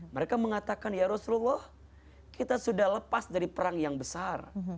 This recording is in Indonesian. mereka mengatakan ya rasulullah kita sudah lepas dari perang yang besar